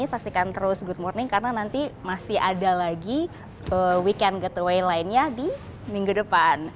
saksikan terus good morning karena nanti masih ada lagi weekend getaway lainnya di minggu depan